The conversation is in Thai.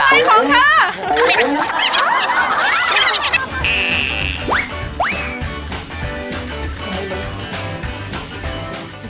มุมอะไรของเธอ